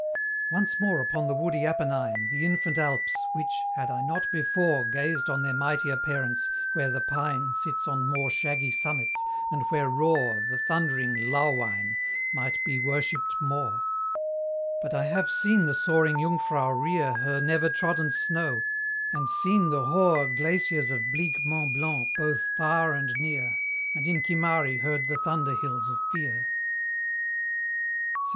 Once more upon the woody Apennine, The infant Alps, which had I not before Gazed on their mightier parents, where the pine Sits on more shaggy summits, and where roar The thundering lauwine might be worshipped more; But I have seen the soaring Jungfrau rear Her never trodden snow, and seen the hoar Glaciers of bleak Mont Blanc both far and near, And in Chimari heard the thunder hills of fear, LXXIV.